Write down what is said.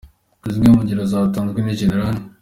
Zimwe mu ngero zatanzwe ni Gen.